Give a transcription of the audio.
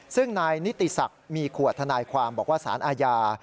ซึ่งนายนิติศักดิ์มีขวดทนายความบอกว่าสารอาญา